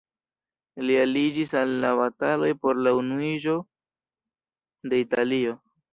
Li aliĝis al la bataloj por la unuiĝo de Italio.